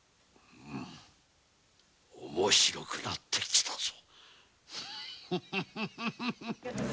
面白くなってきたぞ。